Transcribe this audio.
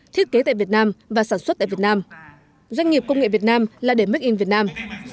thiết kế tại việt nam và sản xuất tại việt nam doanh nghiệp công nghệ việt nam là để make in việt nam